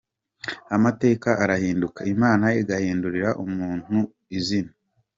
Amateka arahinduka, Imana igahindurira umuntu izina.